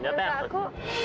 tapi bagi mereka